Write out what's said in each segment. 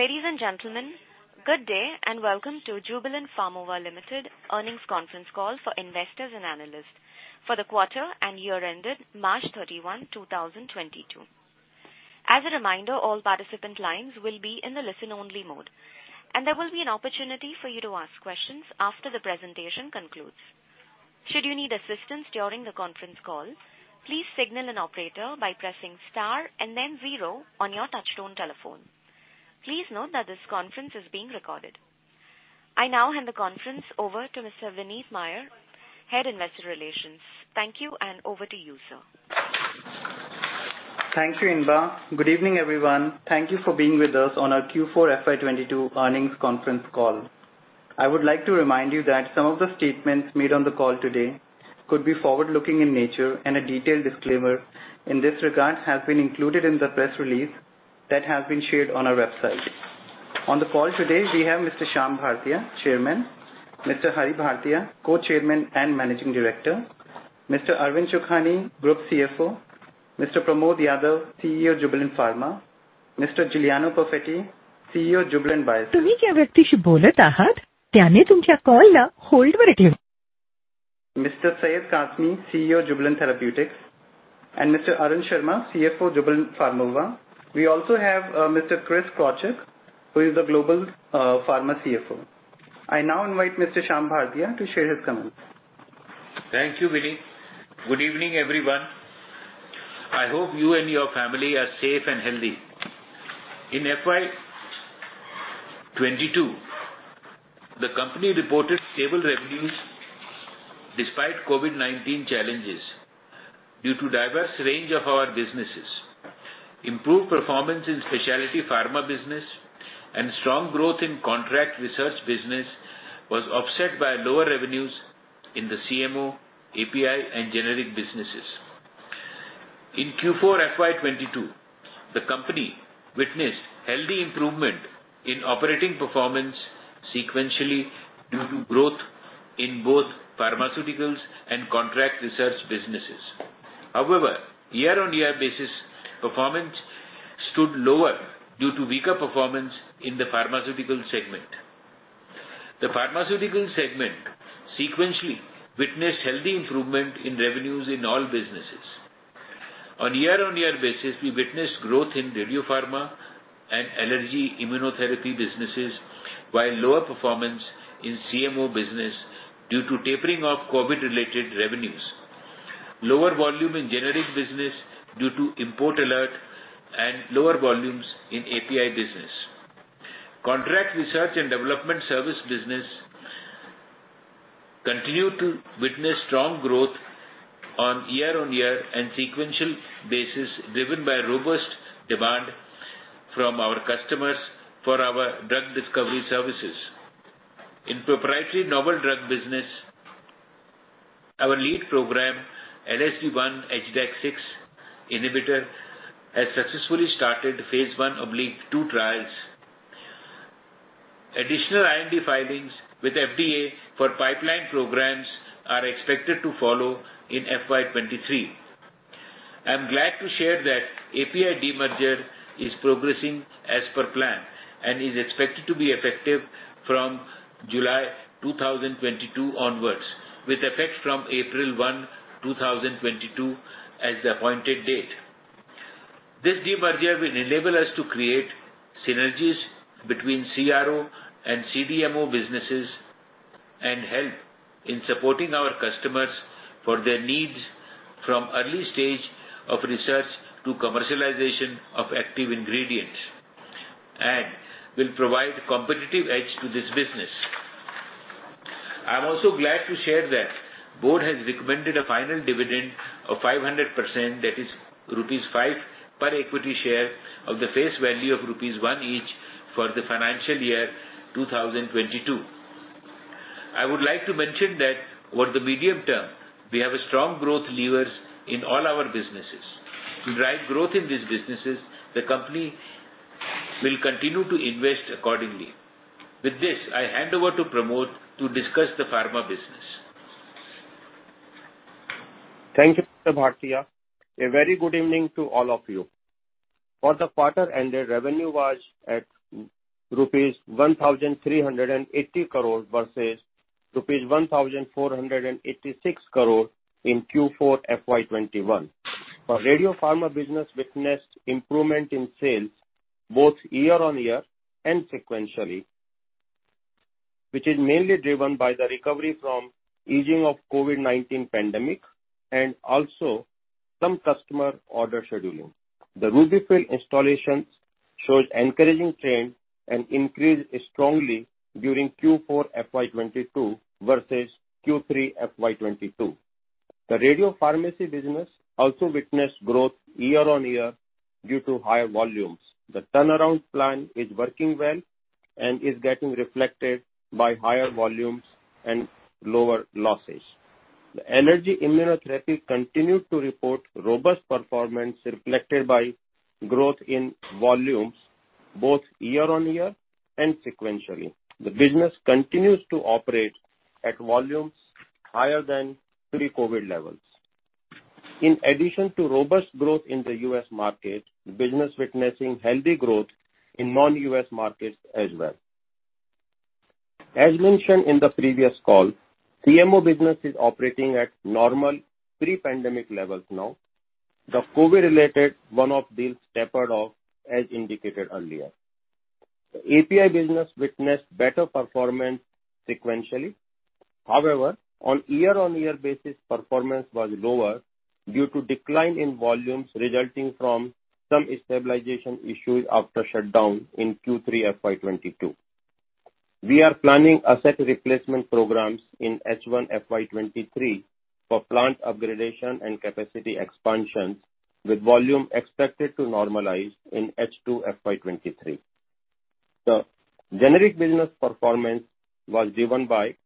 Ladies and gentlemen, good day and welcome to Jubilant Pharmova Limited Earnings Conference Call for Investors and Analysts for the quarter and year ended March 31, 2022. As a reminder, all participant lines will be in the listen-only mode, and there will be an opportunity for you to ask questions after the presentation concludes. Should you need assistance during the conference call, please signal an operator by pressing star and then zero on your touchtone telephone. Please note that this conference is being recorded. I now hand the conference over to Mr. Vineet Mayer, Head of Investor Relations. Thank you, and over to you, sir. Thank you, Vineet. Good evening, everyone. Thank you for being with us on our Q4 FY 2022 Earnings Conference Call. I would like to remind you that some of the statements made on the call today could be forward-looking in nature, and a detailed disclaimer in this regard has been included in the press release that has been shared on our website. On the call today, we have Mr. Shyam Bhartia, Chairman; Mr. Hari Bhartia, Co-Chairman and Managing Director; Mr. Arvind Chokhany, Group CFO; Mr. Pramod Yadav, CEO, Jubilant Pharma; Mr. Giuliano Perfetti, CEO, Jubilant Biosys; Mr. Syed Kazmi, CEO, Jubilant Therapeutics; and Mr. Arun Sharma, CFO, Jubilant Pharmova. We also have Mr. Chris Krawtschuk, who is the global pharma CFO. I now invite Mr. Shyam Bhartia to share his comments. Thank you, Vineet. Good evening, everyone. I hope you and your family are safe and healthy. In FY 2022, the company reported stable revenues despite COVID-19 challenges due to diverse range of our businesses. Improved performance in specialty pharma business and strong growth in contract research business was offset by lower revenues in the CMO, API, and generic businesses. In Q4 FY 2022, the company witnessed healthy improvement in operating performance sequentially due to growth in both pharmaceuticals and contract research businesses. However, year-over-year basis performance stood lower due to weaker performance in the pharmaceutical segment. The pharmaceutical segment sequentially witnessed healthy improvement in revenues in all businesses. On year-over-year basis, we witnessed growth in radiopharma and allergy immunotherapy businesses, while lower performance in CMO business due to tapering of COVID-related revenues, lower volume in generic business due to import alert and lower volumes in API business. Contract research and development services business continues to witness strong growth on year-over-year and sequential basis, driven by robust demand from our customers for our drug discovery services. In proprietary novel drug business, our lead program, LSD1/HDAC6 inhibitor, has successfully started Phase I/II trials. Additional IND filings with FDA for pipeline programs are expected to follow in FY 2023. I'm glad to share that API demerger is progressing as per plan and is expected to be effective from July 2022 onwards, with effect from April 1, 2022 as the appointed date. This demerger will enable us to create synergies between CRO and CDMO businesses and help in supporting our customers for their needs from early stage of research to commercialization of active ingredients and will provide competitive edge to this business. I'm also glad to share that board has recommended a final dividend of 500%, that is rupees 5 per equity share of the face value of rupees 1 each for the financial year 2022. I would like to mention that over the medium term, we have a strong growth levers in all our businesses. To drive growth in these businesses, the company will continue to invest accordingly. With this, I hand over to Pramod to discuss the pharma business. Thank you, Mr. Bhartia. A very good evening to all of you. For the quarter ended, revenue was at rupees 1,380 crore, versus rupees 1,486 crore in Q4 FY 2021. Our radiopharma business witnessed improvement in sales both year-on-year and sequentially, which is mainly driven by the recovery from easing of COVID-19 pandemic and also some customer order scheduling. The RUBY-FILL installations shows encouraging trend and increased strongly during Q4 FY 2022 versus Q3 FY 2022. The radiopharmacy business also witnessed growth year-on-year due to higher volumes. The turnaround plan is working well and is getting reflected by higher volumes and lower losses. The allergy immunotherapy continued to report robust performance reflected by growth in volumes both year-on-year and sequentially. The business continues to operate at volumes higher than pre-COVID levels. In addition to robust growth in the U.S. market, business witnessing healthy growth in non-U.S. markets as well. As mentioned in the previous call, CMO business is operating at normal pre-pandemic levels now. The COVID-related one-off deals tapered off as indicated earlier. The API business witnessed better performance sequentially. However, on year-on-year basis, performance was lower due to decline in volumes resulting from some stabilization issues after shutdown in Q3 FY 2022. We are planning asset replacement programs in H1 FY 2023 for plant upgradation and capacity expansions, with volume expected to normalize in H2 FY 2023. The generic business performance was driven by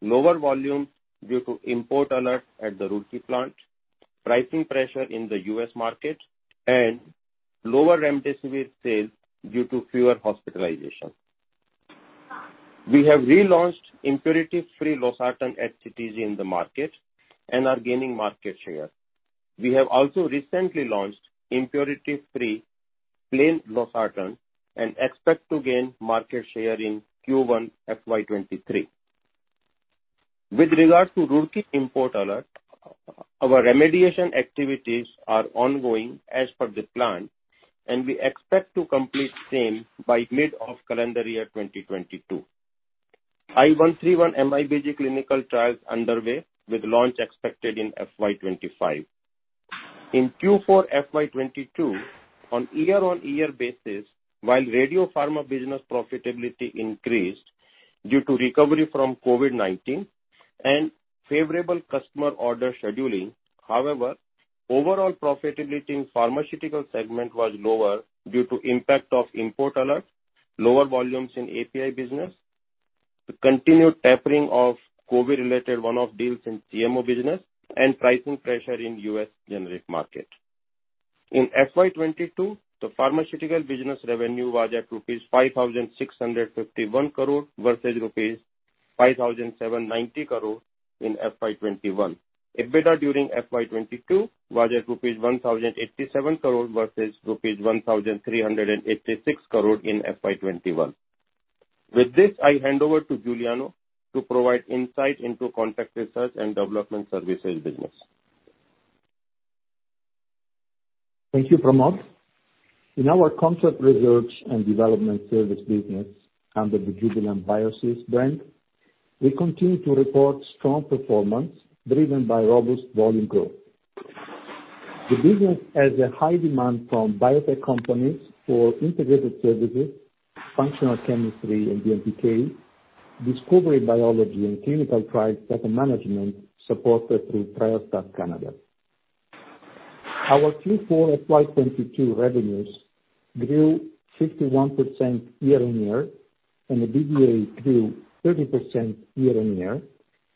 lower volumes due to import alert at the Roorkee plant, pricing pressure in the U.S. market, and lower remdesivir sales due to fewer hospitalizations. We have relaunched impurity-free losartan at CTG in the market and are gaining market share. We have also recently launched impurity-free plain losartan and expect to gain market share in Q1 FY 2023. With regard to Roorkee import alert, our remediation activities are ongoing as per the plan, and we expect to complete same by mid of calendar year 2022. I-131 MIBG clinical trial is underway, with launch expected in FY 2025. In Q4 FY 2022, on year-on-year basis, while radiopharma business profitability increased due to recovery from COVID-19 and favorable customer order scheduling, however, overall profitability in pharmaceutical segment was lower due to impact of import alerts, lower volumes in API business, the continued tapering of COVID-related one-off deals in CMO business, and pricing pressure in U.S. generic market. In FY 2022, the pharmaceutical business revenue was at INR 5,651 crore, versus INR 5,790 crore in FY 2021. EBITDA during FY 2022 was at INR 1,087 crore versus INR 1,386 crore in FY 2021. With this, I hand over to Giuliano to provide insight into contract research and development services business. Thank you, Pramod. In our contract research and development service business, under the Jubilant Biosys brand, we continue to report strong performance driven by robust volume growth. The business has a high demand from biotech companies for integrated services, functional chemistry and DMPK, discovery biology and clinical trial data management supported through TrialStat, Canada. Our Q4 FY 2022 revenues grew 51% year-on-year, and the EBITDA grew 30% year-on-year,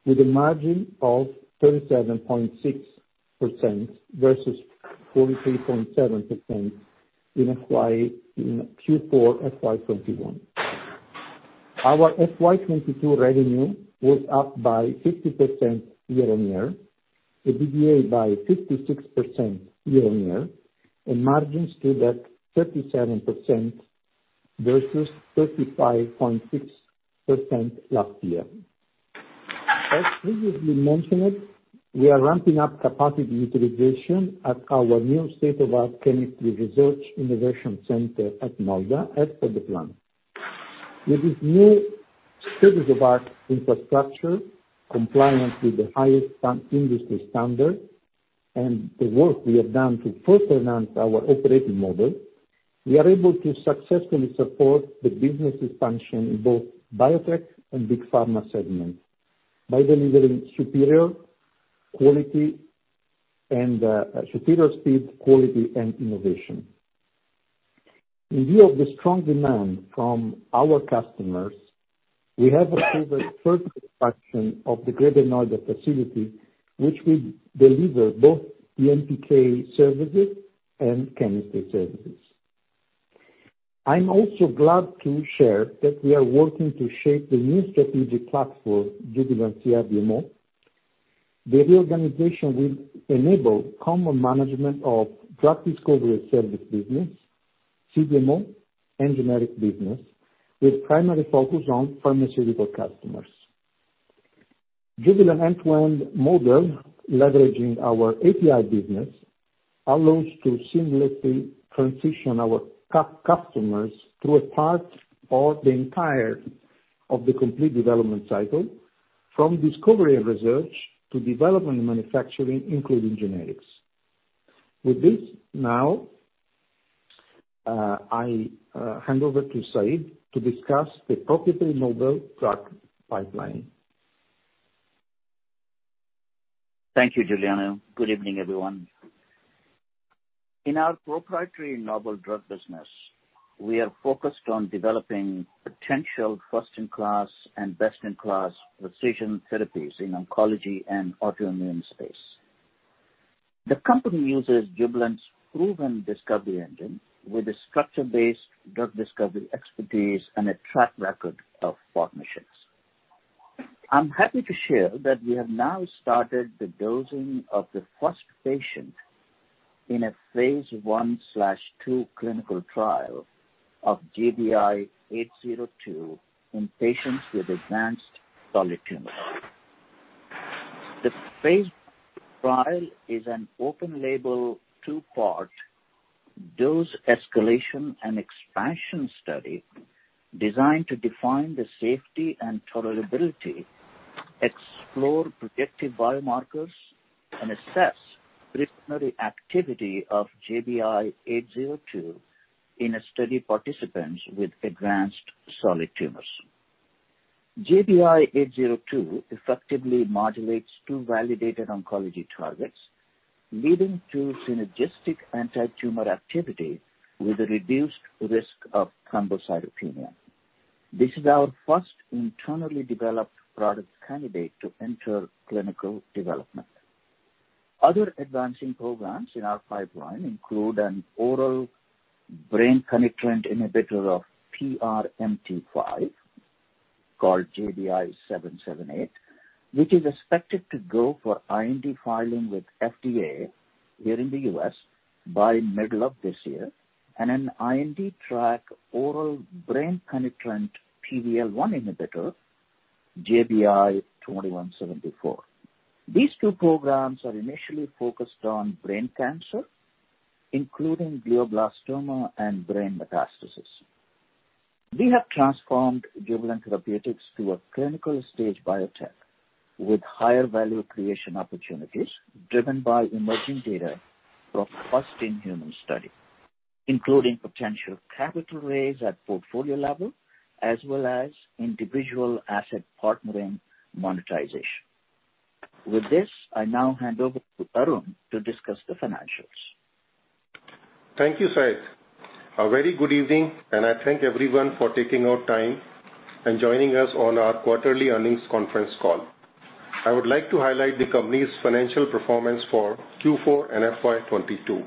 with a margin of 37.6% versus 43.7% in Q4 FY 2021. Our FY 2022 revenue was up by 50% year-on-year, the EBITDA by 56% year-on-year, and margins stood at 37% versus 35.6% last year. As previously mentioned, we are ramping up capacity utilization at our new state-of-the-art chemistry research innovation center at Noida as per the plan. With this new state-of-the-art infrastructure compliant with the highest industry standards and the work we have done to further enhance our operating model, we are able to successfully support the business expansion in both biotech and big pharma segments by delivering superior quality and superior speed, quality and innovation. In view of the strong demand from our customers, we have approved the first expansion of the Greater Noida facility, which will deliver both DMPK services and chemistry services. I'm also glad to share that we are working to shape the new strategic platform, Jubilant CDMO. The reorganization will enable common management of drug discovery services business, CDMO, and generic business, with primary focus on pharmaceutical customers. Jubilant end-to-end model, leveraging our API business, allows to seamlessly transition our customers through a part or the entire of the complete development cycle, from discovery and research to development and manufacturing, including generics. With this, now, I hand over to Syed to discuss the proprietary novel drug pipeline. Thank you, Giuliano. Good evening, everyone. In our proprietary novel drug business, we are focused on developing potential first-in-class and best-in-class precision therapies in oncology and autoimmune space. The company uses Jubilant's proven discovery engine with a structure-based drug discovery expertise and a track record of partnerships. I'm happy to share that we have now started the dosing of the first patient in a Phase I/II clinical trial of JBI-802 in patients with advanced solid tumors. The Phase I/II trial is an open label, two-part dose escalation and expansion study designed to define the safety and tolerability, explore predictive biomarkers, and assess preliminary activity of JBI-802 in study participants with advanced solid tumors. JBI-802 effectively modulates two validated oncology targets, leading to synergistic antitumor activity with a reduced risk of thrombocytopenia. This is our first internally developed product candidate to enter clinical development. Other advancing programs in our pipeline include an oral brain penetrant inhibitor of PRMT5 called JBI-778, which is expected to go for IND filing with FDA here in the U.S. by middle of this year, and an IND-track oral brain penetrant PD-L1 inhibitor, JBI-2174. These two programs are initially focused on brain cancer, including glioblastoma and brain metastasis. We have transformed Jubilant Therapeutics to a clinical stage biotech with higher value creation opportunities driven by emerging data from first in-human study, including potential capital raise at portfolio level as well as individual asset partnering monetization. With this, I now hand over to Arun to discuss the financials. Thank you, Syed. A very good evening, I thank everyone for taking out time and joining us on our quarterly earnings conference call. I would like to highlight the company's financial performance for Q4 and FY 2022.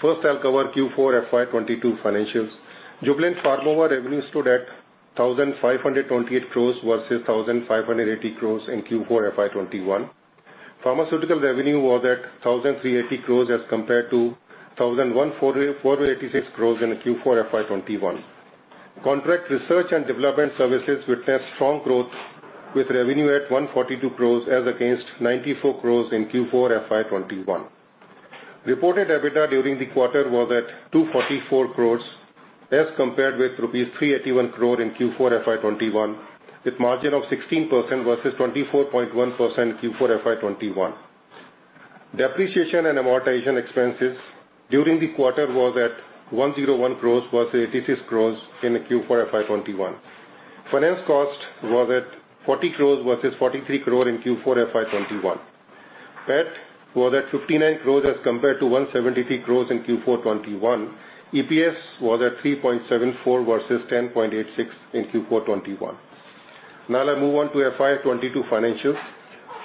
First, I'll cover Q4 FY 2022 financials. Jubilant Pharma revenue stood at 1,528 crore versus 1,580 crore in Q4 FY 2021. Pharmaceutical revenue was at 1,380 crore as compared to 1,148 crore in Q4 FY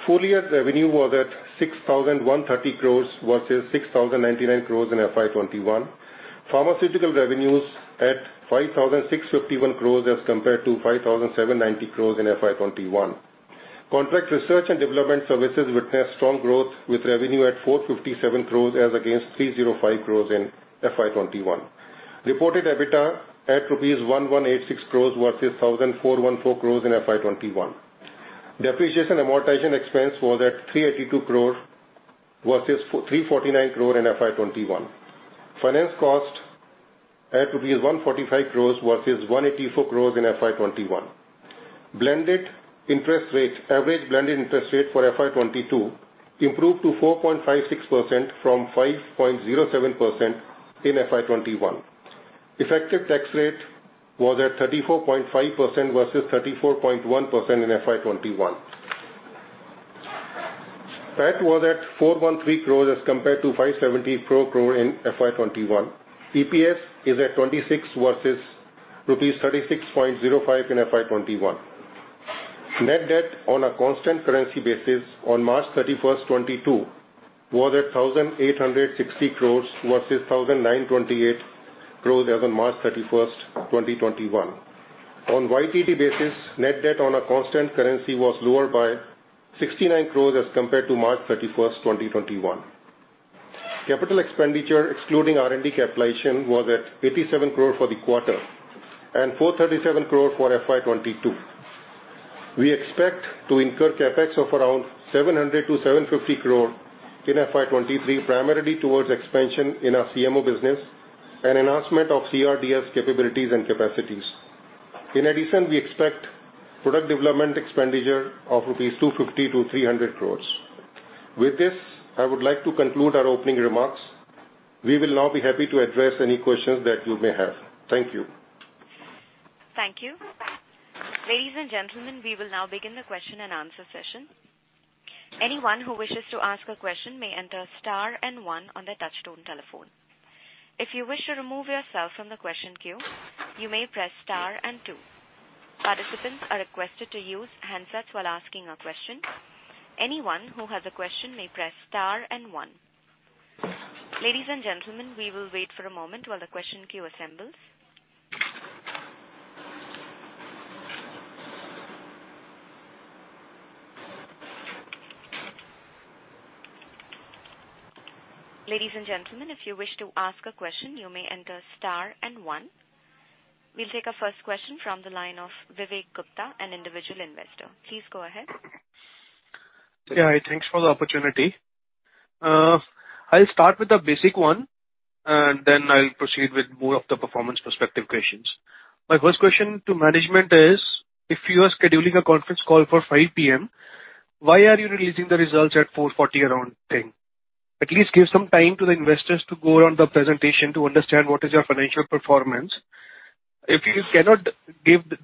2021. Contract research and development services witnessed strong growth with revenue at 142 crore as against 94 crore in Q4 FY 2021. Reported EBITDA during the quarter was at 244 crore as compared with 381 crore in Q4 FY 2021, with margin of 16% versus 24.1% Q4 FY 2021. Depreciation and amortization expenses during the quarter was at 101 crores versus 86 crores in Q4 FY 2021. Finance cost was at INR 40 crores versus 43 crore in Q4 FY 2021. PAT was at 59 crores as compared to 173 crores in Q4 2021. EPS was at 3.74 versus 10.86 in Q4 2021. Now I move on to FY 2022 financials. Full year revenue was at 6,130 crores versus 6,099 crores in FY 2021. Pharmaceutical revenues at 5,651 crores as compared to 5,790 crores in FY 2021. Contract research and development services witnessed strong growth with revenue at 457 crores as against 305 crores in FY 2021. Reported EBITDA at 1,186 crores versus 1,414 crores in FY 2021. Depreciation and amortization expense was at 382 crore versus 349 crore in FY 2021. Finance cost at rupees 145 crores versus 184 crores in FY 2021. Blended interest rate, average blended interest rate for FY 2022 improved to 4.56% from 5.07% in FY 2021. Effective tax rate was at 34.5% versus 34.1% in FY 2021. PAT was at 413 crore as compared to 570 crore in FY 2021. EPS is at 26 versus rupees 36.05 in FY 2021. Net debt on a constant currency basis on March 31, 2022 was at 1,860 crore versus 1,928 crore as on March 31, 2021. On YTD basis, net debt on a constant currency was lower by 69 crores as compared to March 31, 2021. Capital expenditure excluding R&D capitalization was at 87 crore for the quarter and 437 crore for FY 2022. We expect to incur CapEx of around 700-750 crore in FY 2023, primarily towards expansion in our CMO business and enhancement of CRDS capabilities and capacities. In addition, we expect product development expenditure of rupees 250-300 crores. With this, I would like to conclude our opening remarks. We will now be happy to address any questions that you may have. Thank you. Thank you. Ladies and gentlemen, we will now begin the question and answer session. Anyone who wishes to ask a question may enter star and one on their touchtone telephone. If you wish to remove yourself from the question queue, you may press star and two. Participants are requested to use handsets while asking a question. Anyone who has a question may press star and one. Ladies and gentlemen, we will wait for a moment while the question queue assembles. Ladies and gentlemen, if you wish to ask a question, you may enter star and one. We'll take our first question from the line of Vivek Gupta, an individual investor. Please go ahead. Yeah. Thanks for the opportunity. I'll start with a basic one, and then I'll proceed with more of the performance perspective questions. My first question to management is, if you are scheduling a conference call for 5:00 P.M., why are you releasing the results at 4:40 or something? At least give some time to the investors to go around the presentation to understand what is your financial performance. If you cannot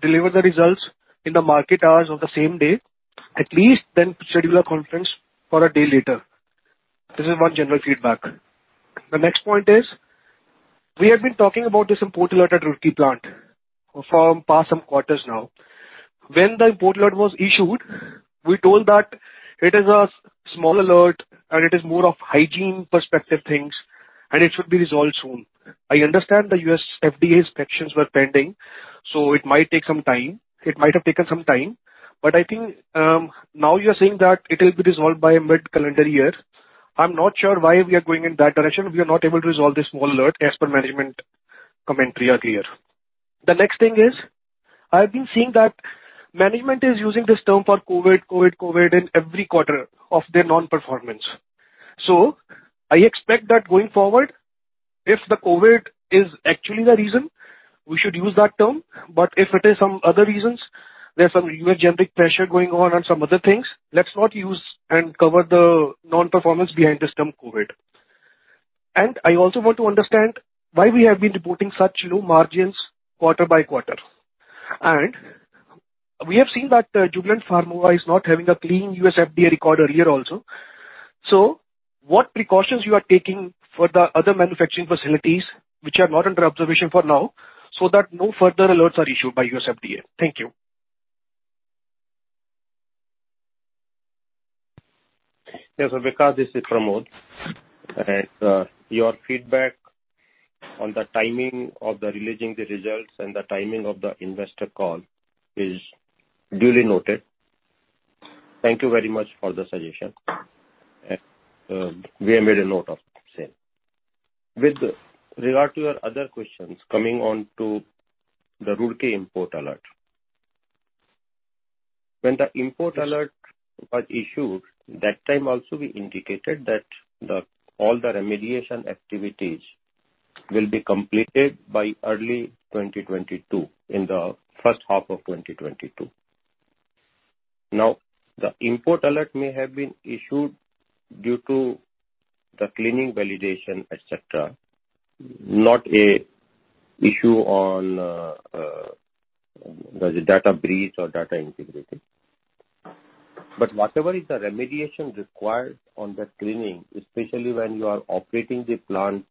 deliver the results in the market hours of the same day, at least then schedule a conference for a day later. This is one general feedback. The next point is, we have been talking about this import alert at Roorkee plant for the past some quarters now. When the import alert was issued, we told that it is a small alert, and it is more of hygiene perspective things, and it should be resolved soon. I understand the U.S. FDA inspections were pending, so it might take some time. It might have taken some time. I think, now you're saying that it'll be resolved by mid-calendar year. I'm not sure why we are going in that direction. We are not able to resolve the import alert as per management commentary earlier. The next thing is, I've been seeing that management is using this term for COVID, COVID in every quarter of their non-performance. I expect that going forward, if the COVID is actually the reason, we should use that term. But if it is some other reasons, there's some US generic pressure going on and some other things, let's not use and cover the non-performance behind this term COVID. I also want to understand why we have been reporting such low margins quarter by quarter. We have seen that Jubilant Pharma is not having a clean U.S. FDA record a year also. What precautions you are taking for the other manufacturing facilities which are not under observation for now, so that no further alerts are issued by U.S. FDA? Thank you. Yes, Vivek, this is Pramod. Your feedback on the timing of the releasing the results and the timing of the investor call is duly noted. Thank you very much for the suggestion. We have made a note of the same. With regard to your other questions, coming on to the Roorkee import alert. When the import alert was issued, that time also we indicated that all the remediation activities will be completed by early 2022, in the first half of 2022. Now, the import alert may have been issued due to the cleaning validation, et cetera, not an issue on the data breach or data integrity. But whatever is the remediation required on the cleaning, especially when you are operating the plant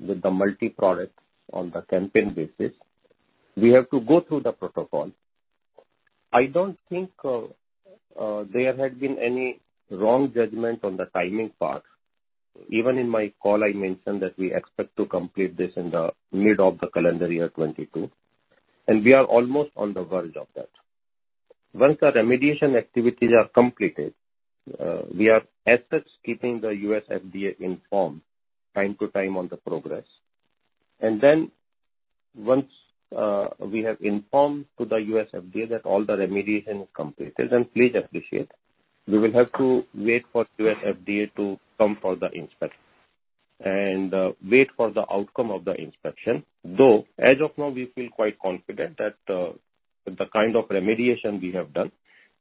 with the multi-product on the campaign basis, we have to go through the protocol. I don't think there had been any wrong judgment on the timing part. Even in my call, I mentioned that we expect to complete this in the mid of the calendar year 2022, and we are almost on the verge of that. Once the remediation activities are completed, we are as such keeping the U.S. FDA informed time to time on the progress. Once we have informed to the U.S. FDA that all the remediation is completed, then please appreciate we will have to wait for U.S. FDA to come for the inspection and wait for the outcome of the inspection, though as of now we feel quite confident that the kind of remediation we have done,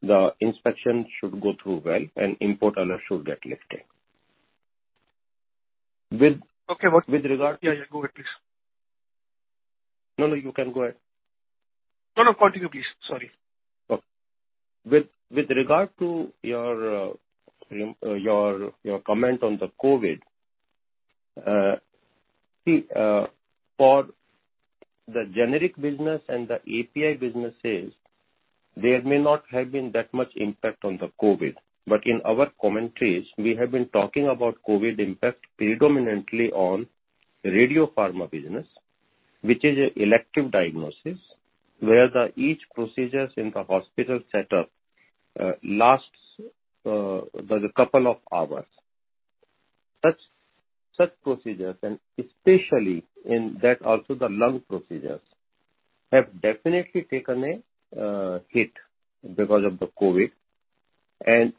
the inspection should go through well and import alert should get lifted. With Okay. With regard Yeah, yeah. Go ahead, please. No, no. You can go ahead. No, no. Continue, please. Sorry. With regard to your comment on the COVID, for the generic business and the API businesses, there may not have been that much impact on the COVID, but in our commentaries we have been talking about COVID impact predominantly on Radiopharma business, which is an elective diagnosis, where each procedures in the hospital setup lasts the couple of hours. Such procedures, and especially in that also the lung procedures, have definitely taken a hit because of the COVID.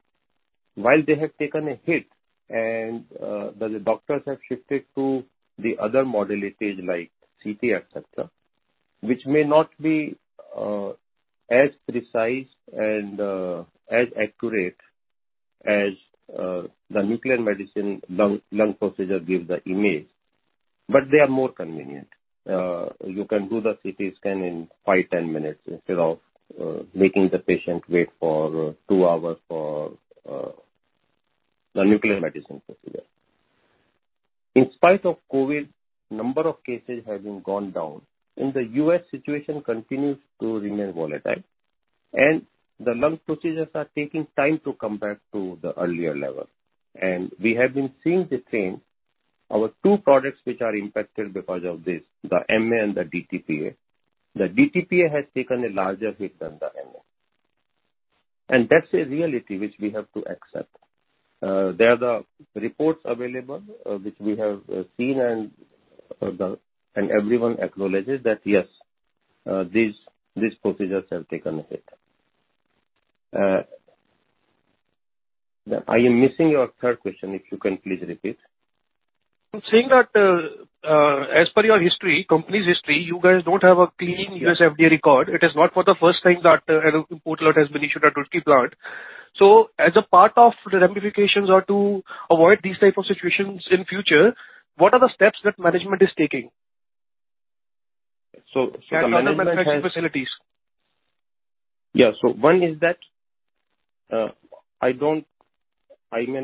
While they have taken a hit, the doctors have shifted to the other modalities like CT, et cetera, which may not be as precise and as accurate as the nuclear medicine lung procedure gives the image, but they are more convenient. You can do the CT scan in 5-10 minutes instead of making the patient wait for two hours for the nuclear medicine procedure. In spite of COVID number of cases having gone down, in the U.S. situation continues to remain volatile. The lung procedures are taking time to come back to the earlier level. We have been seeing the same. Our two products which are impacted because of this, the MAA and the DTPA. The DTPA has taken a larger hit than the MAA. That's a reality which we have to accept. There are the reports available, which we have seen and everyone acknowledges that, yes, these procedures have taken a hit. I am missing your third question. If you can please repeat. I'm saying that, as per your history, company's history, you guys don't have a clean. Yes. U.S. FDA record. It is not for the first time that an import alert has been issued at Roorkee plant. As a part of the ramifications or to avoid these type of situations in future, what are the steps that management is taking? The management has. Can you update manufacturing facilities? One is that I may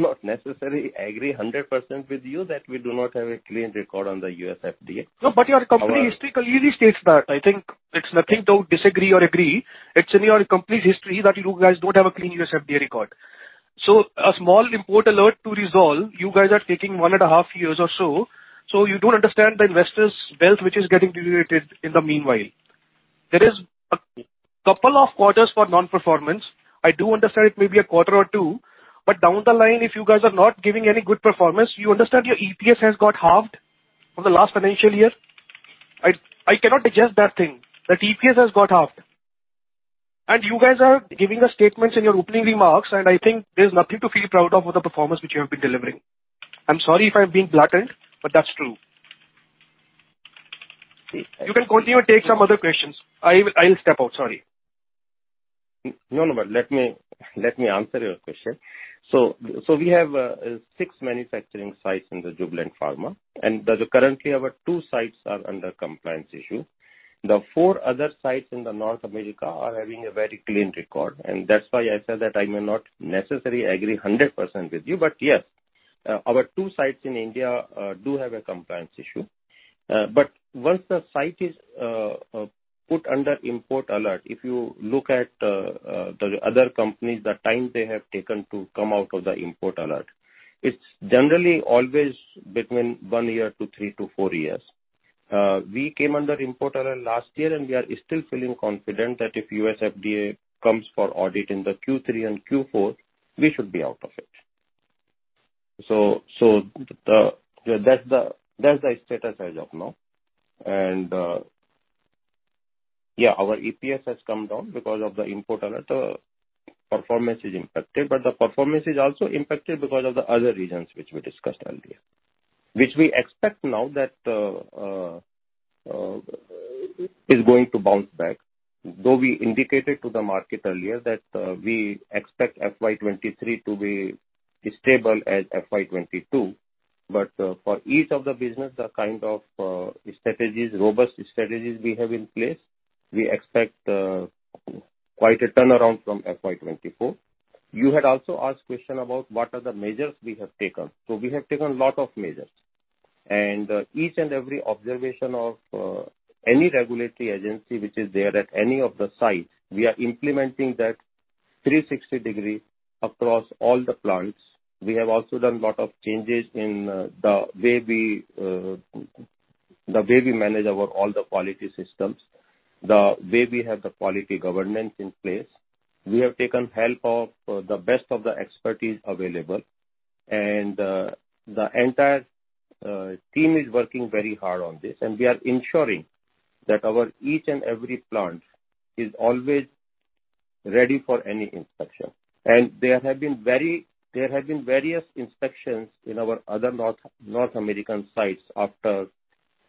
not necessarily agree 100% with you that we do not have a clean record on the U.S. FDA. No, your company history clearly states that. I think it's nothing to disagree or agree. It's in your company's history that you guys don't have a clean U.S. FDA record. A small import alert to resolve, you guys are taking 1.5 years or so. You don't understand the investors' wealth, which is getting diluted in the meanwhile. There is a couple of quarters for non-performance. I do understand it may be a quarter or two, but down the line, if you guys are not giving any good performance, you understand your EPS has got halved from the last financial year. I cannot digest that thing, that EPS has got halved. You guys are giving the statements in your opening remarks, and I think there's nothing to feel proud of with the performance which you have been delivering. I'm sorry if I'm being blunt, but that's true. See, I You can continue, take some other questions. I'll step out. Sorry. No, let me answer your question. We have six manufacturing sites in Jubilant Pharma, and currently our two sites are under compliance issue. The four other sites in North America are having a very clean record, and that's why I said that I may not necessarily agree 100% with you. Yes, our two sites in India do have a compliance issue. Once the site is put under import alert, if you look at the other companies, the time they have taken to come out of the import alert, it's generally always between one year to three to four years. We came under import alert last year, and we are still feeling confident that if U.S. FDA comes for audit in the Q3 and Q4, we should be out of it. That's the status as of now. Our EPS has come down because of the import alert. Performance is impacted, but the performance is also impacted because of the other reasons which we discussed earlier, which we expect now that is going to bounce back. Though we indicated to the market earlier that we expect FY 2023 to be as stable as FY 2022. For each of the business, robust strategies we have in place, we expect quite a turnaround from FY 2024. You had also asked question about what are the measures we have taken. We have taken lot of measures. Each and every observation of any regulatory agency which is there at any of the sites, we are implementing that 360-degree across all the plants. We have also done a lot of changes in the way we manage all our quality systems, the way we have the quality governance in place. We have taken help of the best of the expertise available. The entire team is working very hard on this, and we are ensuring that each and every plant is always ready for any inspection. There have been various inspections in our other North American sites after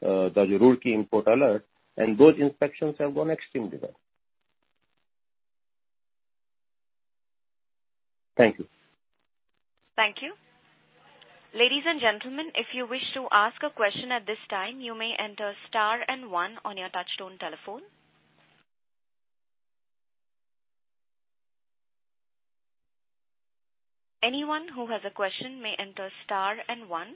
the Roorkee import alert, and those inspections have gone extremely well. Thank you. Thank you. Ladies and gentlemen, if you wish to ask a question at this time, you may enter star and one on your touchtone telephone. Anyone who has a question may enter star and one.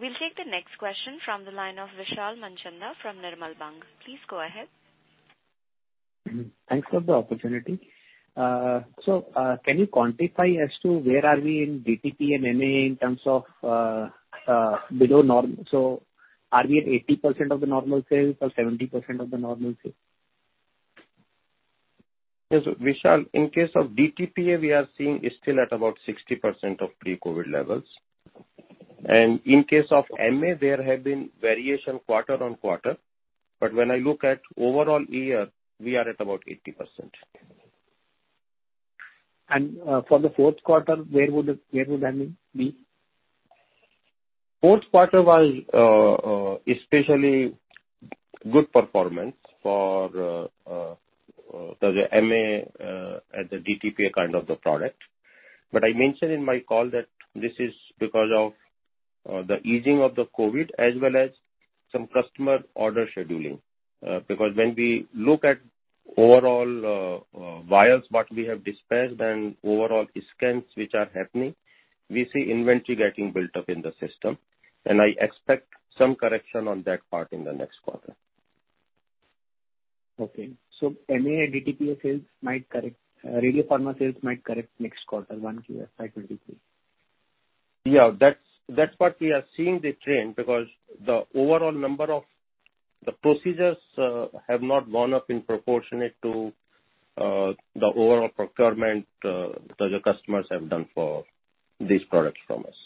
We'll take the next question from the line of Vishal Manchanda from Nirmal Bang. Please go ahead. Thanks for the opportunity. Can you quantify as to where are we in DTPA and MAA in terms of below normal? Are we at 80% of the normal sales or 70% of the normal sales? Yes, Vishal. In case of DTPA, we are seeing it's still at about 60% of pre-COVID levels. In case of MAA, there have been variation quarter on quarter. When I look at overall year, we are at about 80%. For the fourth quarter, where would MAA be? Fourth quarter was especially good performance for the MAA and the DTPA kind of the product. I mentioned in my call that this is because of the easing of the COVID as well as some customer order scheduling. Because when we look at overall vials what we have dispatched and overall scans which are happening, we see inventory getting built up in the system, and I expect some correction on that part in the next quarter. MAA and DTPA sales might correct. Radiopharma sales might correct next quarter, 1Q FY23. Yeah. That's what we are seeing the trend, because the overall number of the procedures have not gone up in proportionate to the overall procurement the other customers have done for these products from us.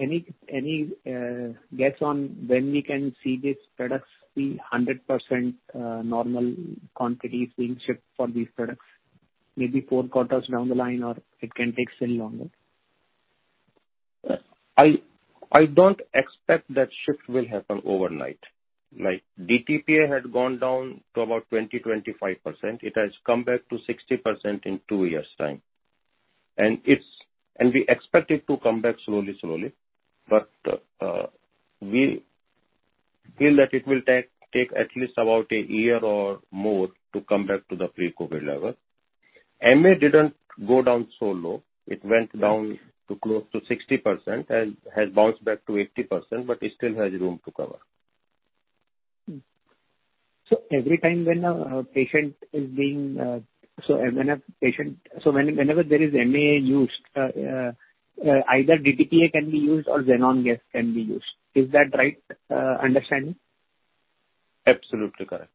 Any guess on when we can see these products be 100% normal quantities being shipped for these products? Maybe four quarters down the line, or it can take still longer? I don't expect that shift will happen overnight. Like DTPA had gone down to about 20-25%. It has come back to 60% in two years' time. We expect it to come back slowly. We feel that it will take at least about a year or more to come back to the pre-COVID level. MAA didn't go down so low. It went down to close to 60% and has bounced back to 80%, but it still has room to cover. Whenever there is MAA used, either DTPA can be used or xenon gas can be used. Is that right, understanding? Absolutely correct.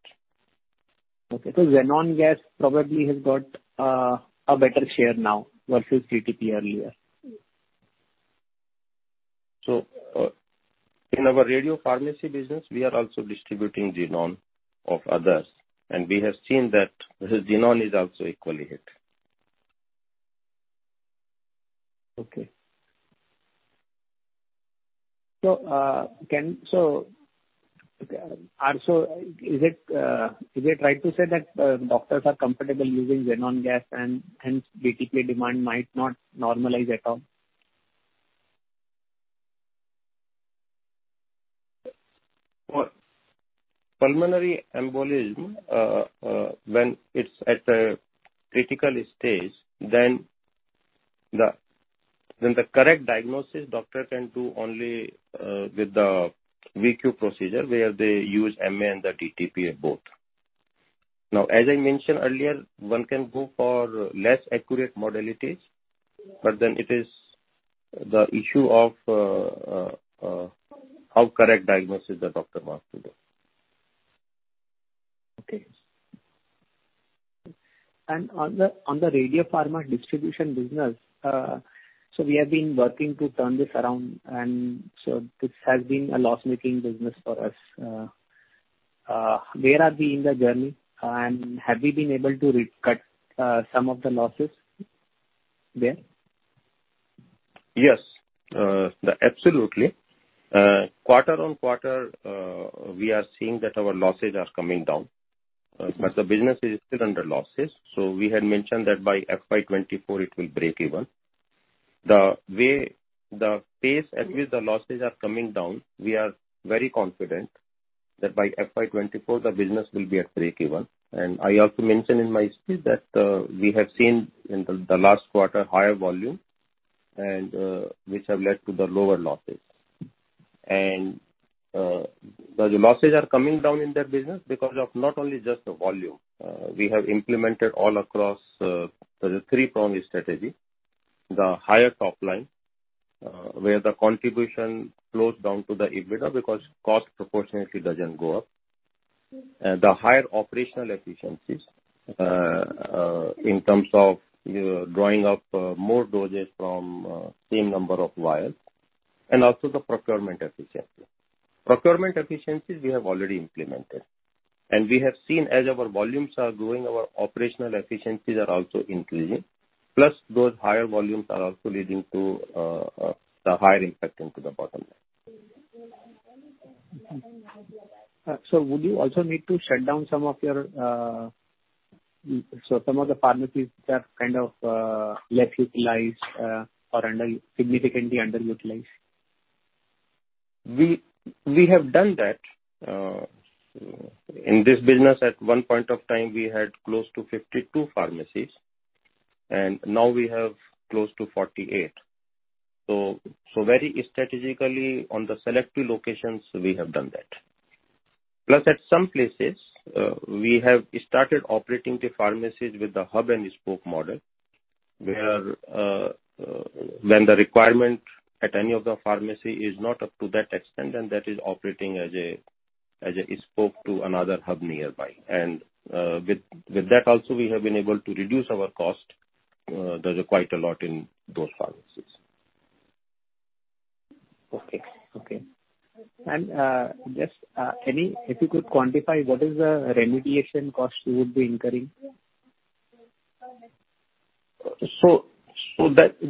Okay. Xenon gas probably has got a better share now versus DTPA earlier. In our radiopharmacy business we are also distributing xenon of others, and we have seen that the xenon is also equally hit. Is it right to say that doctors are comfortable using xenon gas and hence DTPA demand might not normalize at all? For pulmonary embolism, when it's at a critical stage, then the correct diagnosis doctor can do only with the VQ procedure where they use MAA and the DTPA both. Now, as I mentioned earlier, one can go for less accurate modalities, but then it is the issue of how correct diagnosis the doctor wants to do. On the Radiopharma distribution business, we have been working to turn this around, and this has been a loss-making business for us. Where are we in the journey, and have we been able to re-cut some of the losses there? Yes, absolutely. Quarter-on-quarter, we are seeing that our losses are coming down. The business is still under losses, so we had mentioned that by FY 2024 it will break even. The way the pace at which the losses are coming down, we are very confident that by FY 2024 the business will be at break even. I also mentioned in my speech that we have seen in the last quarter higher volume and which have led to the lower losses. The losses are coming down in that business because of not only just the volume. We have implemented all across the three-pronged strategy. The higher top line, where the contribution flows down to the EBITDA because cost proportionately doesn't go up. The higher operational efficiencies, in terms of drawing up more doses from same number of vials, and also the procurement efficiencies. Procurement efficiencies we have already implemented. We have seen as our volumes are growing, our operational efficiencies are also increasing, plus those higher volumes are also leading to the higher impact into the bottom line. Would you also need to shut down some of the pharmacies that kind of less utilized or significantly underutilized? We have done that. In this business at one point of time we had close to 52 pharmacies, and now we have close to 48. Very strategically on the selective locations we have done that. Plus at some places, we have started operating the pharmacies with the hub-and-spoke model, where, when the requirement at any of the pharmacy is not up to that extent, and that is operating as a spoke to another hub nearby. With that also we have been able to reduce our cost quite a lot in those pharmacies. If you could quantify what is the remediation cost you would be incurring?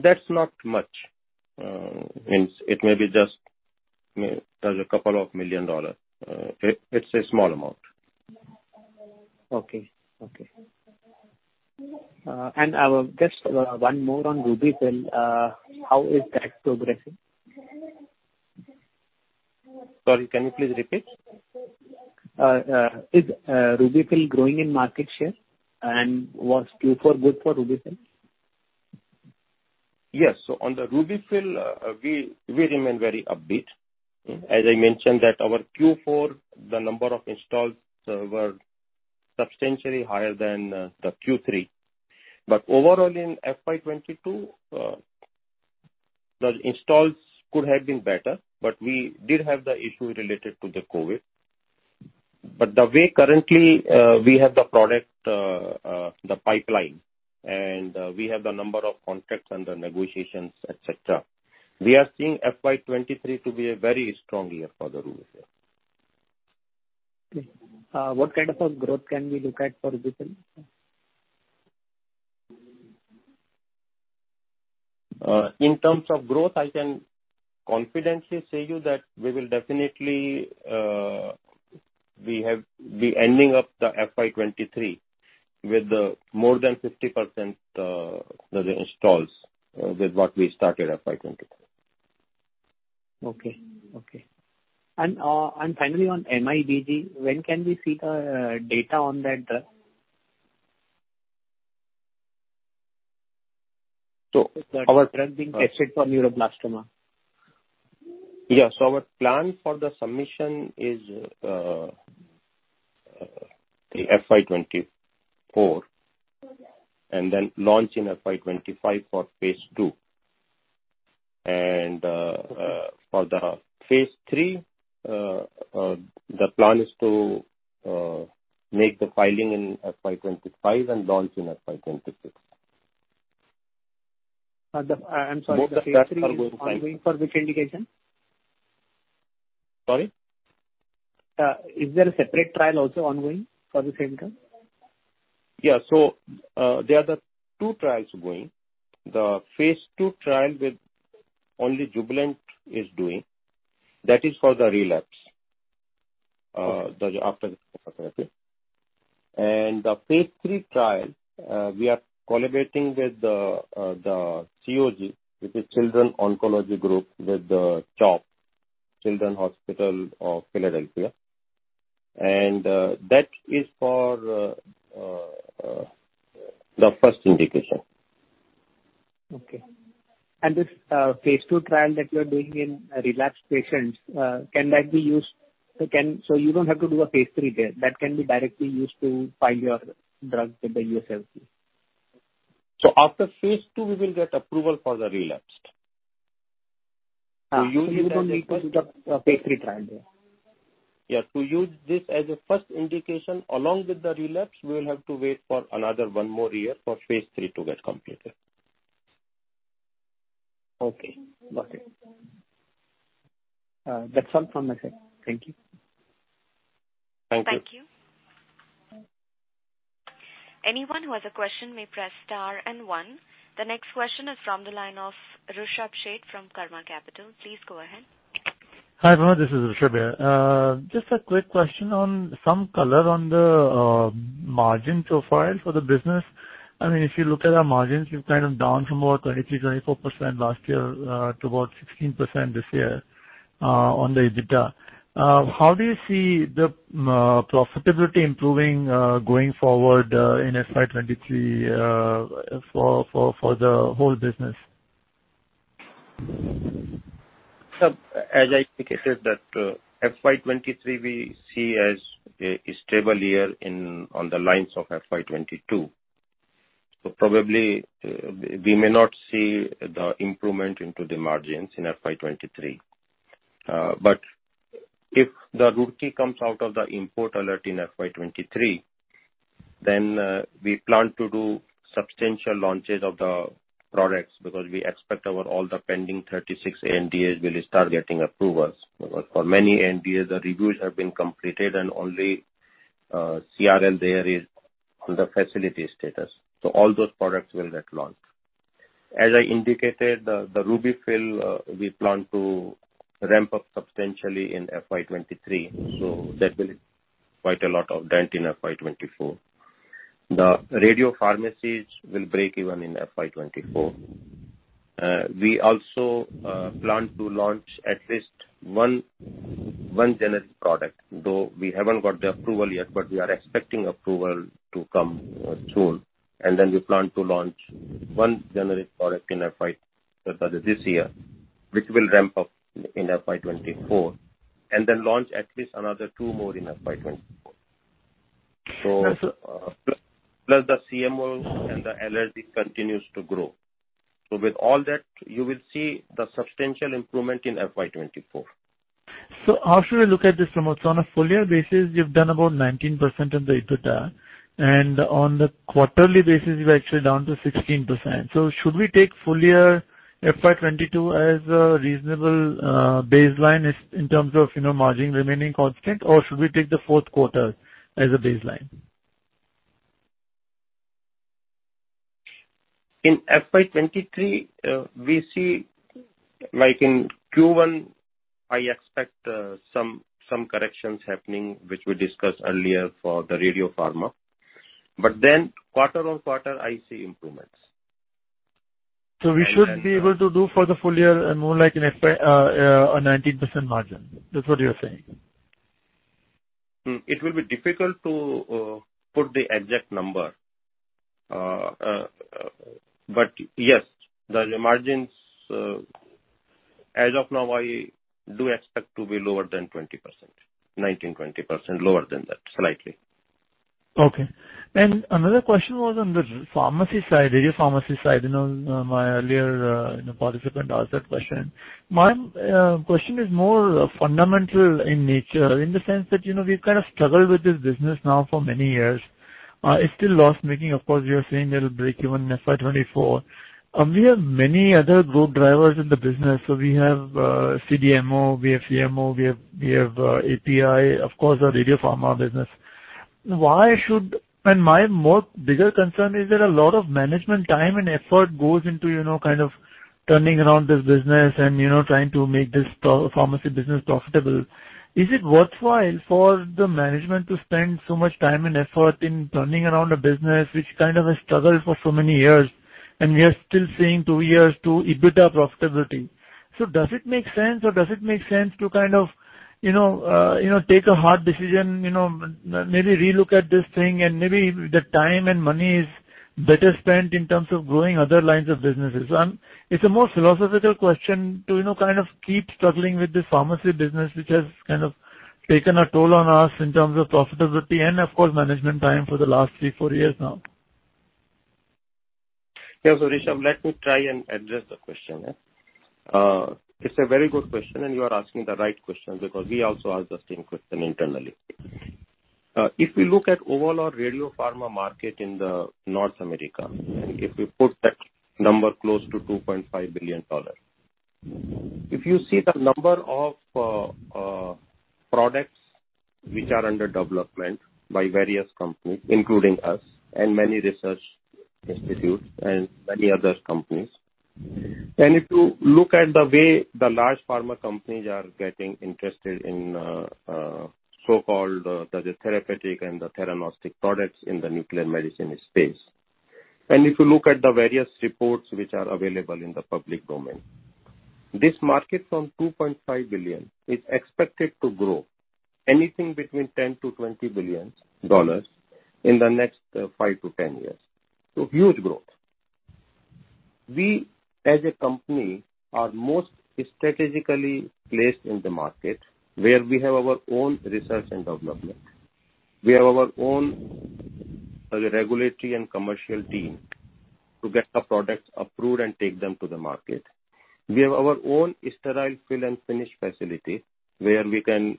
That's not much. That means it may be just, you know, just a couple of million dollars. It's a small amount. Okay. Just one more on RUBY-FILL. How is that progressing? Sorry, can you please repeat? Is RUBY-FILL growing in market share, and was Q4 good for RUBY-FILL? Yes. On the RUBY-FILL, we remain very upbeat. As I mentioned that our Q4, the number of installs, were substantially higher than the Q3. Overall in FY 2022, the installs could have been better, but we did have the issue related to the COVID. The way currently, we have the product, the pipeline and, we have the number of contracts under negotiations, et cetera, we are seeing FY 2023 to be a very strong year for the RUBY-FILL. Okay. What kind of a growth can we look at for RUBY-FILL? In terms of growth, I can confidently say to you that we will definitely be ending up the FY 2023 with more than 50% the installs with what we started FY 2023. Okay. Finally on MIBG, when can we see the data on that drug? So our The drug being tested for neuroblastoma. Our plan for the submission is FY 2024, and then launch in FY 2025 for Phase II. For Phase III, the plan is to make the filing in FY 2025 and launch in FY 2026. I'm sorry. Both the trials are going fine. The Phase III is ongoing for which indication? Sorry? Is there a separate trial also ongoing for the same drug? Yeah. There are two trials going. The Phase II trial that only Jubilant is doing. That is for the relapse after chemotherapy. The Phase III trial, we are collaborating with the COG, which is Children's Oncology Group, with the CHOP, Children's Hospital of Philadelphia. That is for the first indication. This Phase II trial that you're doing in relapsed patients, can that be used? So you don't have to do a Phase III there. That can be directly used to file your drug with the U.S. FDA. after Phase II we will get approval for the relapsed. Ah. To use it as a You don't need to do the Phase III trial there. Yeah. To use this as a first indication along with the relapse, we will have to wait for another one more year for Phase III to get completed. Okay. Got it. That's all from my side. Thank you. Thank you. Thank you. Anyone who has a question may press star and one. The next question is from the line of Rishabh Sheth from Karma Capital. Please go ahead. Hi, Pramod. This is Rushabh here. Just a quick question on some color on the margin profile for the business. I mean, if you look at our margins, they're kind of down from about 23%-24% last year to about 16% this year on the EBITDA. How do you see the profitability improving going forward in FY 2023 for the whole business? As I indicated that, FY 2023 we see as a stable year in on the lines of FY 2022. Probably, we may not see the improvement in the margins in FY 2023. But if the Roorkee comes out of the import alert in FY 2023, then we plan to do substantial launches of the products because we expect our all the pending 36 ANDAs will start getting approvals. For many ANDAs, the reviews have been completed and only CRL there is on the facility status. All those products will get launched. As I indicated, the RUBY-FILL we plan to ramp up substantially in FY 2023. That will quite a lot of dent in FY 2024. The radio pharmacies will break even in FY 2024. We also plan to launch at least one generic product, though we haven't got the approval yet, but we are expecting approval to come soon. We plan to launch one generic product in FY that is this year, which will ramp up in FY 2024, and then launch at least another two more in FY 2024. Plus the CMOs and the CRDS continues to grow. With all that, you will see the substantial improvement in FY 2024. How should I look at this, Mohit? On a full year basis, you've done about 19% on the EBITDA, and on the quarterly basis you're actually down to 16%. Should we take full year FY 2022 as a reasonable baseline as, in terms of, you know, margin remaining constant, or should we take the fourth quarter as a baseline? In FY23, we see like in Q1 I expect some corrections happening which we discussed earlier for the radiopharma. Quarter-on-quarter I see improvements. We should be able to do for the full year more like an FY a 19% margin. That's what you're saying? It will be difficult to put the exact number. Yes, the margins, as of now, I do expect to be lower than 20%. 19%, 20%. Lower than that, slightly. Okay. Another question was on the pharmacy side, radiopharmacy side. You know, my earlier participant asked that question. My question is more fundamental in nature in the sense that, you know, we've kind of struggled with this business now for many years. It's still loss-making. Of course, you're saying it'll break even in FY 2024. We have many other growth drivers in the business. We have CDMO, we have CMO, we have API, of course, our radiopharma business. Why should, My more bigger concern is that a lot of management time and effort goes into, you know, kind of turning around this business and, you know, trying to make this pharmacy business profitable. Is it worthwhile for the management to spend so much time and effort in turning around a business which kind of has struggled for so many years and we are still saying two years to EBITDA profitability? Does it make sense, or does it make sense to kind of, you know, you know, take a hard decision, you know, maybe relook at this thing and maybe the time and money is better spent in terms of growing other lines of businesses? It's a more philosophical question to, you know, kind of keep struggling with this pharmacy business, which has kind of taken a toll on us in terms of profitability and of course, management time for the last three, four years now. Hrishikesh, let me try and address the question, yeah. It's a very good question, and you are asking the right question because we also ask the same question internally. If we look at overall radiopharma market in North America, and if we put that number close to $2.5 billion. If you see the number of products which are under development by various companies, including us and many research institutes and many other companies. If you look at the way the large pharma companies are getting interested in so-called the therapeutic and the theranostic products in the nuclear medicine space. If you look at the various reports which are available in the public domain. This market from $2.5 billion is expected to grow anything between $10 billion-$20 billion in the next 5-10 years. Huge growth. We, as a company, are most strategically placed in the market where we have our own research and development. We have our own regulatory and commercial team to get the products approved and take them to the market. We have our own sterile fill and finish facility where we can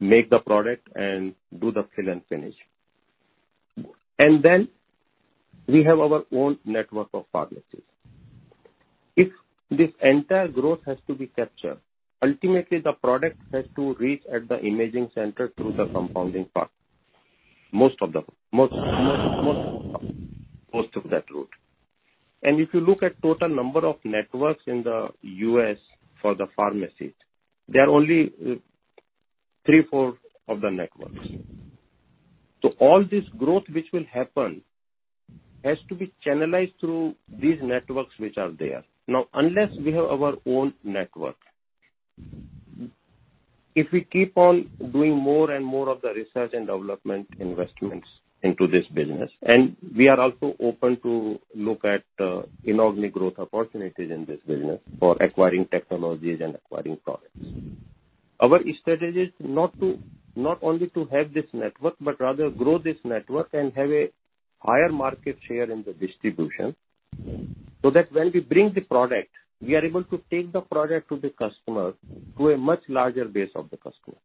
make the product and do the fill and finish. Then we have our own network of pharmacies. If this entire growth has to be captured, ultimately the product has to reach at the imaging center through the compounding part. Most of that route. If you look at total number of networks in the U.S. for the pharmacies, there are only three or four of the networks. All this growth which will happen has to be channelized through these networks which are there. Now, unless we have our own network, if we keep on doing more and more of the research and development investments into this business, and we are also open to look at inorganic growth opportunities in this business for acquiring technologies and acquiring products. Our strategy is not only to have this network, but rather grow this network and have a higher market share in the distribution, so that when we bring the product, we are able to take the product to the customer, to a much larger base of the customer.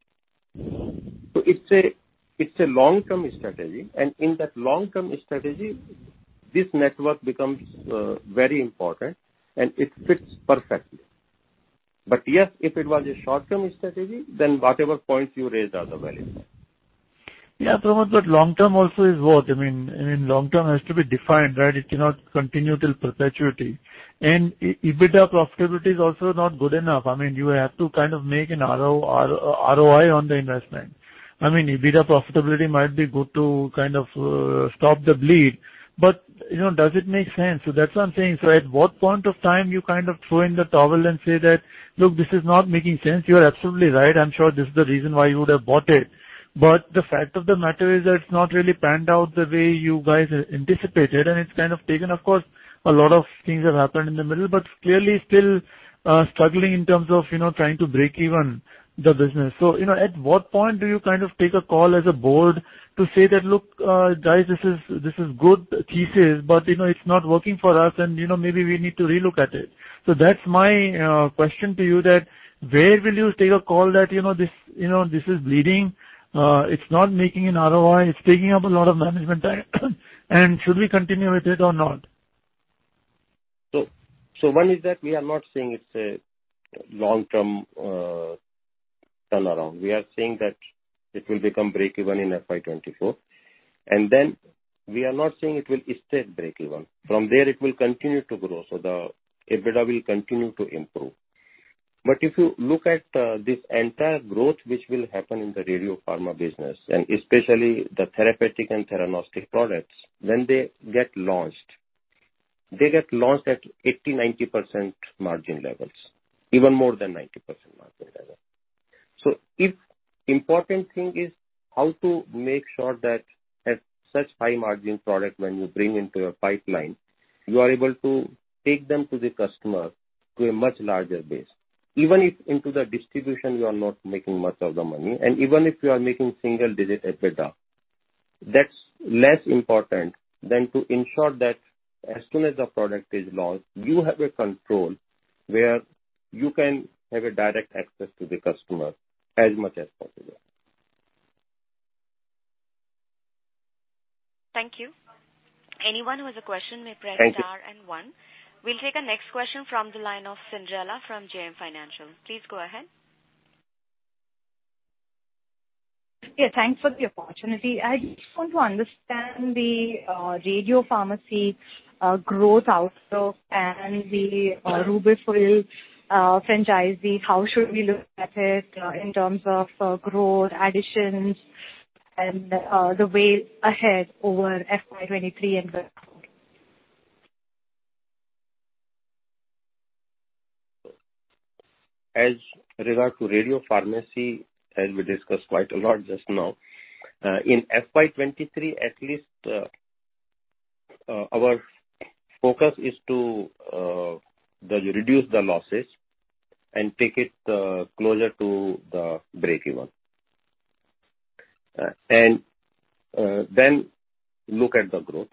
It's a long-term strategy. In that long-term strategy, this network becomes very important and it fits perfectly. Yes, if it was a short-term strategy, then whatever points you raised are the valid points. Yeah, Pramod, but long-term also is what? I mean, long-term has to be defined, right? It cannot continue till perpetuity. EBITDA profitability is also not good enough. I mean, you have to kind of make an ROI on the investment. I mean, EBITDA profitability might be good to kind of stop the bleed, but you know, does it make sense? That's why I'm saying. At what point of time you kind of throw in the towel and say that, "Look, this is not making sense." You are absolutely right. I'm sure this is the reason why you would have bought it. But the fact of the matter is that it's not really panned out the way you guys anticipated, and it's kind of taken. Of course, a lot of things have happened in the middle, but clearly still struggling in terms of, you know, trying to break even the business. You know, at what point do you kind of take a call as a board to say that, "Look, guys, this is good thesis, but, you know, it's not working for us and, you know, maybe we need to relook at it." That's my question to you that where will you take a call that you know this, you know, this is bleeding, it's not making an ROI, it's taking up a lot of management time, and should we continue with it or not? One is that we are not saying it's a long-term turnaround. We are saying that it will become break-even in FY 2024. Then we are not saying it will stay break-even. From there it will continue to grow, so the EBITDA will continue to improve. If you look at this entire growth which will happen in the radiopharma business, and especially the therapeutic and diagnostic products, when they get launched, they get launched at 80%-90% margin levels, even more than 90% margin level. The important thing is how to make sure that at such high margin product when you bring into your pipeline, you are able to take them to the customer to a much larger base. Even if into the distribution you are not making much of the money, and even if you are making single-digit EBITDA, that's less important than to ensure that as soon as the product is launched, you have a control where you can have a direct access to the customer as much as possible. Thank you. Anyone who has a question may press star and one. Thank you. We'll take our next question from the line of Chindarkar from JM Financial. Please go ahead. Yeah, thanks for the opportunity. I just want to understand the radiopharmacy growth outlook and the RUBY-FILL franchise. How should we look at it in terms of growth, additions and the way ahead over FY 2023 and going forward? As regards radiopharmacy, as we discussed quite a lot just now, in FY 2023, at least, our focus is to reduce the losses and take it closer to the break-even. Then look at the growth.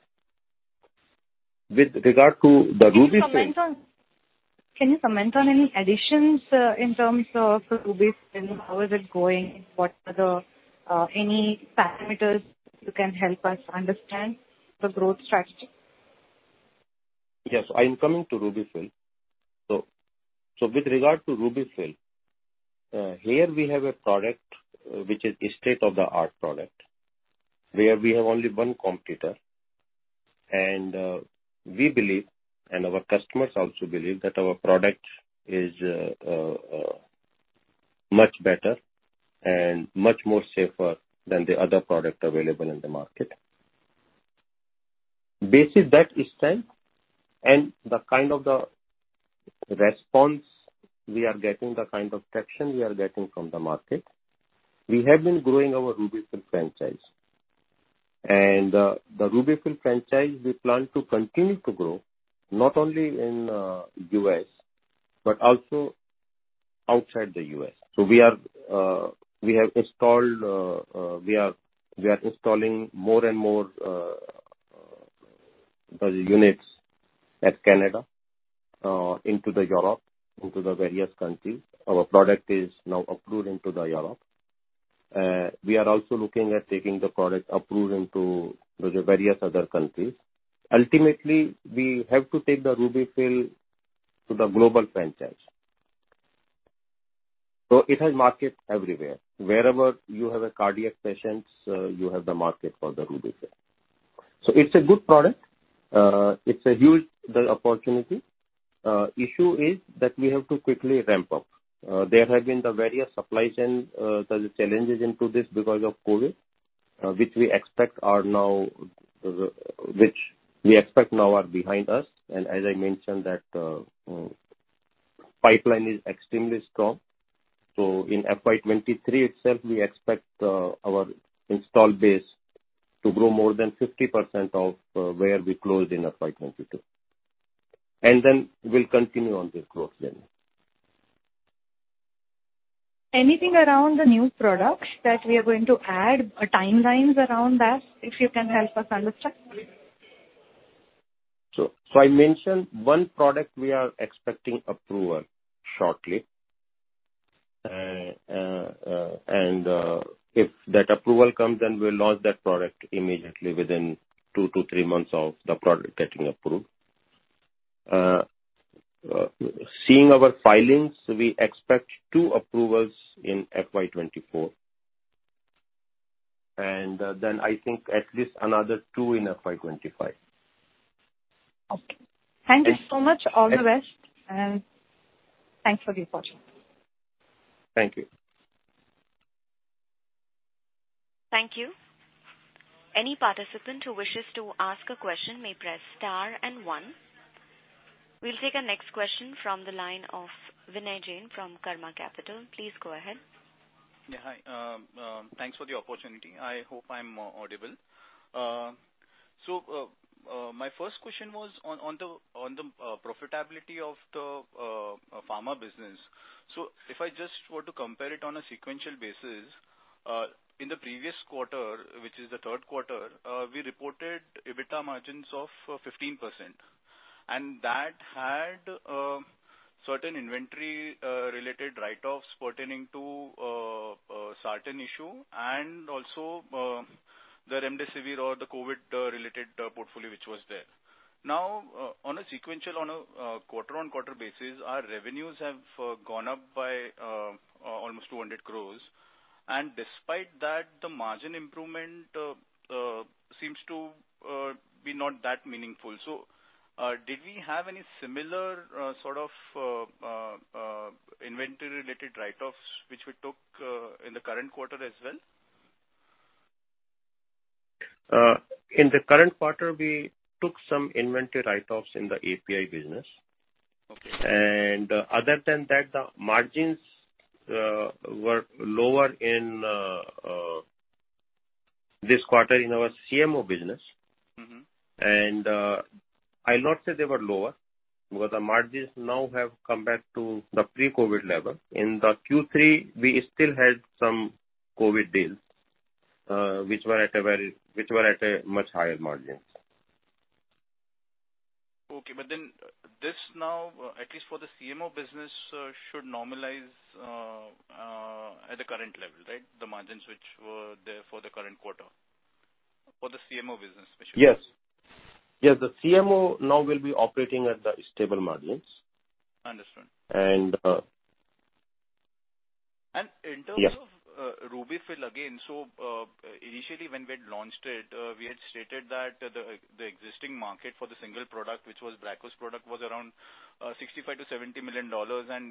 With regard to the RUBY-FILL Can you comment on any additions in terms of RUBY-FILL? How is it going? What are the any parameters you can help us understand the growth strategy? Yes, I'm coming to RUBY-FILL. With regard to RUBY-FILL, here we have a product which is a state-of-the-art product, where we have only one competitor. We believe and our customers also believe that our product is much better and much more safer than the other product available in the market. Based on that strength and the kind of the response we are getting, the kind of traction we are getting from the market, we have been growing our RUBY-FILL franchise. The RUBY-FILL franchise we plan to continue to grow not only in the U.S., but also outside the U.S. We are installing more and more the units in Canada, in Europe, in the various countries. Our product is now approved in Europe. We are also looking at taking the product approved into the various other countries. Ultimately, we have to take the RUBY-FILL to the global franchise. It has market everywhere. Wherever you have cardiac patients, you have the market for the RUBY-FILL. It's a good product. It's a huge opportunity. The issue is that we have to quickly ramp up. There have been various supply chain challenges in this because of COVID, which we expect now are behind us. As I mentioned that, the pipeline is extremely strong. In FY 2023 itself we expect our install base to grow more than 50% of where we closed in FY 2022. Then we'll continue on this growth journey. Anything around the new products that we are going to add or timelines around that, if you can help us understand? I mentioned one product we are expecting approval shortly. If that approval comes, we'll launch that product immediately within two to three months of the product getting approved. Seeing our filings, we expect two approvals in FY 2024. I think at least another two in FY 2025. Okay. Thank you so much. All the best, and thanks for the opportunity. Thank you. Thank you. Any participant who wishes to ask a question may press star and one. We'll take our next question from the line of Vinay Jain from Karma Capital. Please go ahead. Yeah. Hi. Thanks for the opportunity. I hope I'm audible. My first question was on the profitability of the pharma business. If I just were to compare it on a sequential basis, in the previous quarter, which is the third quarter, we reported EBITDA margins of 15%, and that has certain inventory related write-offs pertaining to certain issue and also, the remdesivir or the COVID related portfolio which was there. Now, on a sequential quarter-on-quarter basis, our revenues have gone up by almost 200 crore. Despite that, the margin improvement seems to be not that meaningful. Did we have any similar sort of inventory related write-offs which we took in the current quarter as well? In the current quarter, we took some inventory write-offs in the API business. Okay. Other than that, the margins were lower in this quarter in our CMO business. I'll not say they were lower because the margins now have come back to the pre-COVID level. In the Q3, we still had some COVID deals, which were at a much higher margin. Okay. This now, at least for the CMO business, should normalize at the current level, right? The margins which were there for the current quarter for the CMO business, which Yes. The CMO now will be operating at the stable margins. Understood. And In terms of Yes. RUBY-FILL again. Initially when we had launched it, we had stated that the existing market for the single product, which was Bracco's product, was around $65 million-$70 million.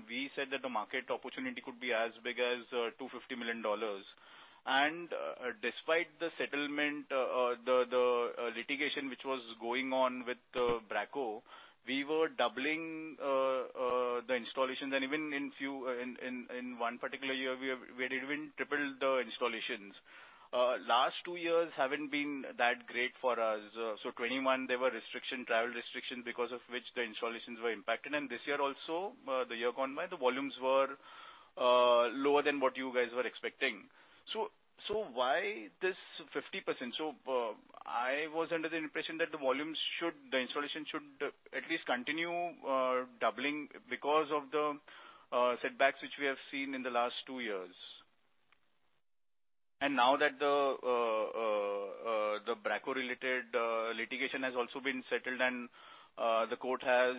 We said that the market opportunity could be as big as $250 million. Despite the settlement, the litigation which was going on with Bracco, we were doubling the installations. Even in one particular year, we had even tripled the installations. Last two years haven't been that great for us. In 2021 there were travel restrictions because of which the installations were impacted. This year also, the year gone by, the volumes were lower than what you guys were expecting. Why this 50%? I was under the impression that the installation should at least continue doubling because of the setbacks which we have seen in the last two years. Now that the Bracco-related litigation has also been settled and the court has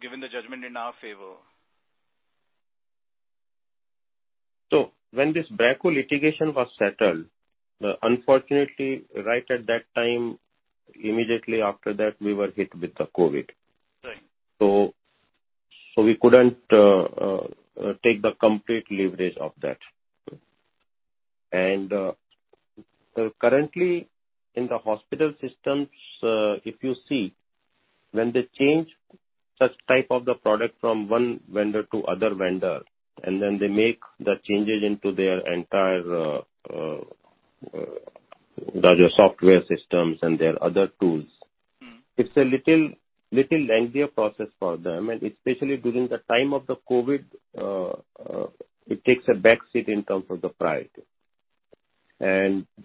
given the judgment in our favor. When this Bracco litigation was settled, unfortunately, right at that time, immediately after that, we were hit with the COVID. Right. We couldn't take the complete leverage of that. Okay. Currently in the hospital systems, if you see, when they change such type of the product from one vendor to other vendor, and then they make the changes into their entire, the software systems and their other tools. It's a little lengthier process for them. Especially during the time of the COVID, it takes a back seat in terms of the priority.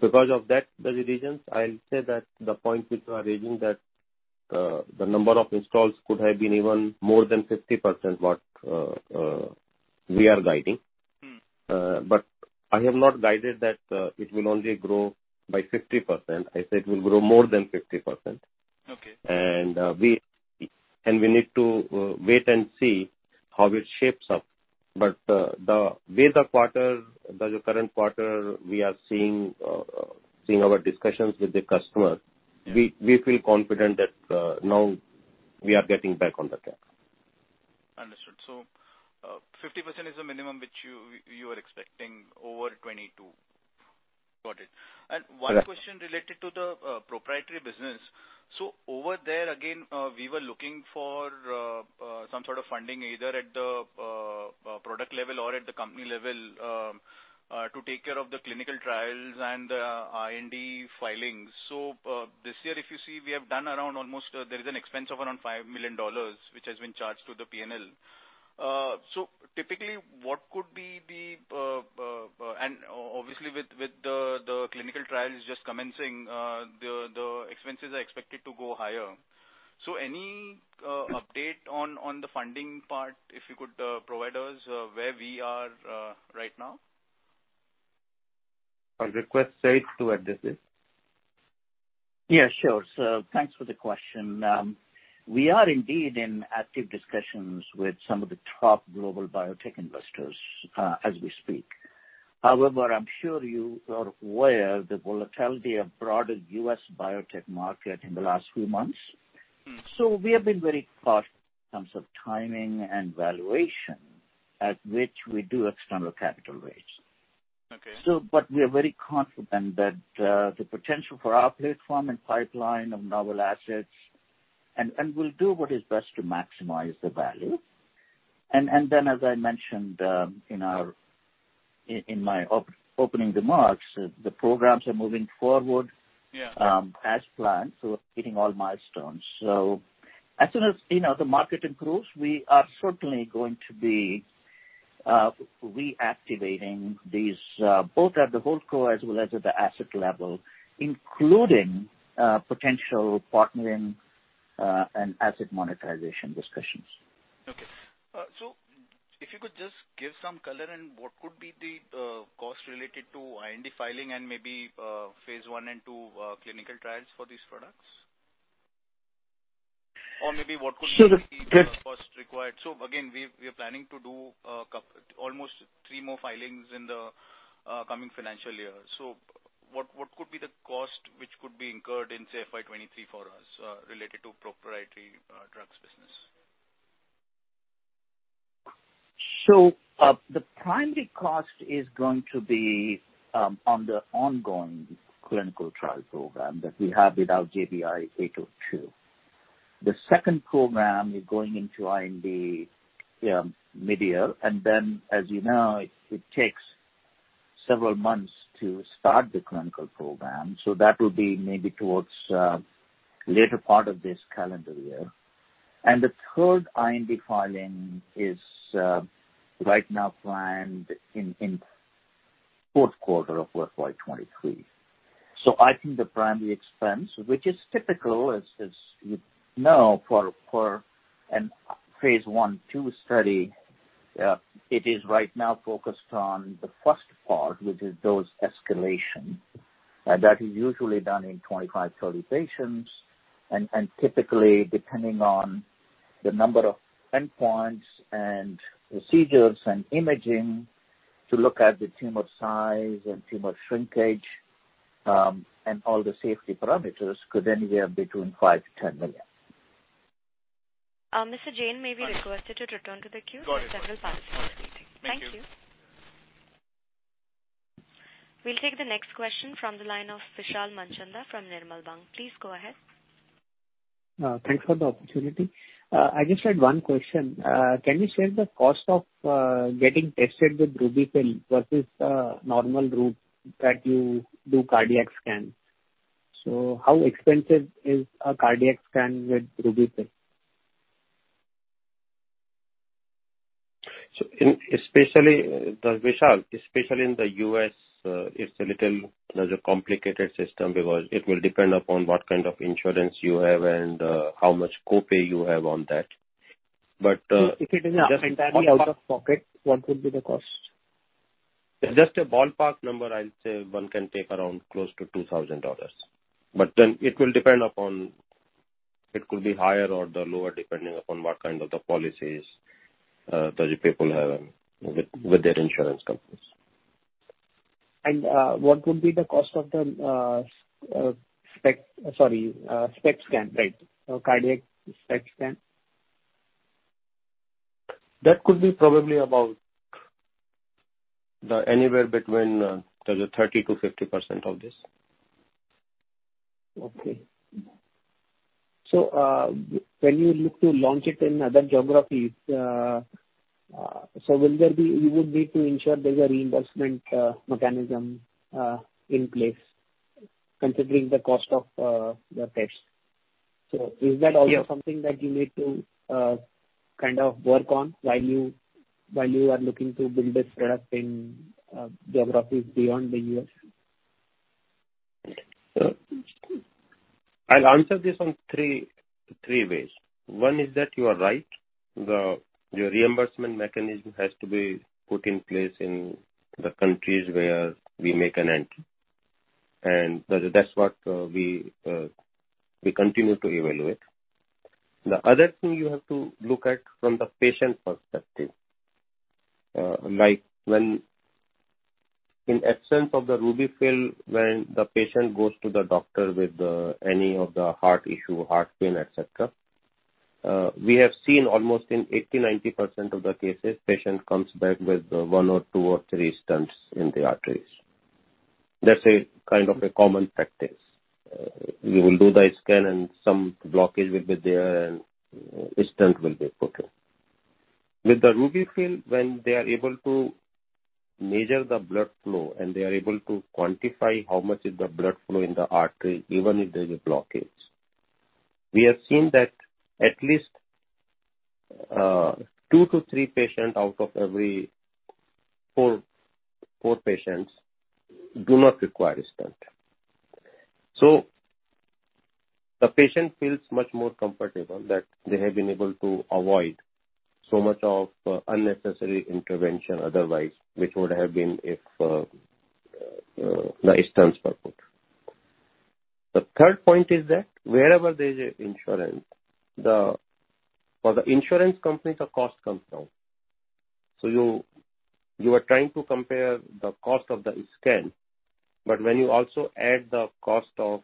Because of that, the reasons I'll say that the points which you are raising, that the number of installs could have been even more than 50% what we are guiding. I have not guided that it will only grow by 50%. I said it will grow more than 50%. Okay. We need to wait and see how it shapes up. The way the quarter, the current quarter, we are seeing our discussions with the customer. We feel confident that now we are getting back on the track. Understood. 50% is the minimum which you are expecting over 2022. Got it. Yeah. One question related to the proprietary business. Over there, again, we were looking for some sort of funding either at the product level or at the company level to take care of the clinical trials and IND filings. This year, if you see, there is an expense of around $5 million which has been charged to the P&L. Obviously, with the clinical trials just commencing, the expenses are expected to go higher. Any update on the funding part, if you could provide us where we are right now? I'll request Syed Kazmi to address this. Yeah, sure. Thanks for the question. We are indeed in active discussions with some of the top global biotech investors, as we speak. However, I'm sure you are aware of the volatility of the broader U.S. biotech market in the last few months. We have been very cautious in terms of timing and valuation at which we do external capital raise. Okay. We are very confident that the potential for our platform and pipeline of novel assets, and then as I mentioned in my opening remarks, the programs are moving forward. Yeah. as planned, so hitting all milestones. As soon as, you know, the market improves, we are certainly going to be Reactivating these both at the whole core as well as at the asset level, including potential partnering and asset monetization discussions. If you could just give some color and what could be the cost related to IND filing and maybe Phase I and II clinical trials for these products? Or maybe what could be So the The cost required. Again, we are planning to do almost three more filings in the coming financial year. What could be the cost which could be incurred in, say, FY 2023 for us related to proprietary drugs business? The primary cost is going to be on the ongoing clinical trial program that we have with our JBI-802. The second program is going into IND mid-year. As you know, it takes several months to start the clinical program. That will be maybe towards later part of this calendar year. The 3rd IND filing is right now planned in fourth quarter of FY 2023. I think the primary expense, which is typical, as you know, for a Phase I/II study, it is right now focused on the first part, which is dose escalation. That is usually done in 25-30 patients. Typically depending on the number of endpoints and procedures and imaging to look at the tumor size and tumor shrinkage, and all the safety parameters could anywhere between $5 million-$10 million. Mr. Jain may be requested to return to the queue. Go ahead. Several participants waiting. Thank you. Thank you. We'll take the next question from the line of Vishal Manchanda from Nirmal Bang. Please go ahead. Thanks for the opportunity. I just had one question. Can you share the cost of getting tested with RUBY-FILL versus normal route that you do cardiac scans? How expensive is a cardiac scan with RUBY-FILL? Vishal, especially in the U.S., it's a little, there's a complicated system because it will depend upon what kind of insurance you have and how much co-pay you have on that. But, If it is entirely out of pocket, what would be the cost? Just a ballpark number, I'll say one can take around close to $2,000. It will depend upon. It could be higher or the lower, depending upon what kind of the policies the people have with their insurance companies. What would be the cost of the SPECT scan, right? Cardiac SPECT scan. That could be probably about the anywhere between, there's a 30%-50% of this. Okay. When you look to launch it in other geographies, you would need to ensure there's a reimbursement mechanism in place considering the cost of the tests. Is that also something that you need to kind of work on while you are looking to build this product in geographies beyond the U.S.? I'll answer this in three ways. One is that you are right. The reimbursement mechanism has to be put in place in the countries where we make an entry. That's what we continue to evaluate. The other thing you have to look at from the patient perspective, like when in absence of the RUBY-FILL, when the patient goes to the doctor with any of the heart issue, heart pain, et cetera, we have seen almost in 80%-90% of the cases, patient comes back with one or two or three stents in the arteries. That's a kind of a common practice. We will do the scan and some blockage will be there and a stent will be put in. With the RUBY-FILL, when they are able to measure the blood flow and they are able to quantify how much is the blood flow in the artery, even if there's a blockage. We have seen that at least two to three patients out of every four patients do not require a stent. The patient feels much more comfortable that they have been able to avoid so much of unnecessary intervention otherwise, which would have been if the stent was put. The third point is that wherever there's insurance, for the insurance companies, the cost comes down. You are trying to compare the cost of the scan, but when you also add the cost of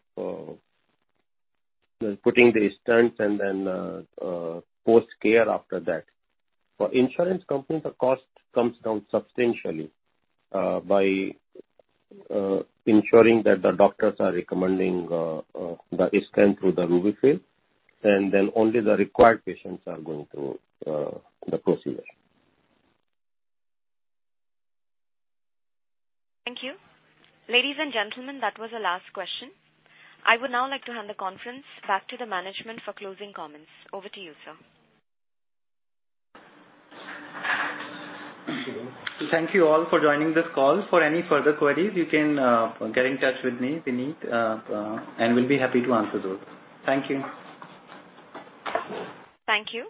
putting the stents and then post-care after that, for insurance companies the cost comes down substantially by ensuring that the doctors are recommending the scan through the RUBY-FILL, and then only the required patients are going through the procedure. Thank you. Ladies and gentlemen, that was the last question. I would now like to hand the conference back to the management for closing comments. Over to you, sir. Thank you all for joining this call. For any further queries, you can get in touch with me, Vineet, and we'll be happy to answer those. Thank you. Thank you.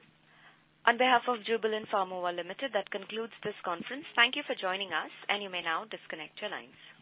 On behalf of Jubilant Pharmova Limited, t hat concludes this conference. Thank you for joining us, and you may now disconnect your lines.